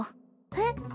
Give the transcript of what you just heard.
えっ？